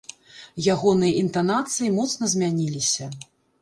Ягоныя інтанацыі моцна змяніліся.